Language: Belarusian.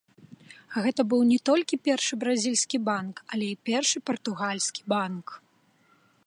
Гэта быў не толькі першы бразільскі банк, але і першы партугальскі банк.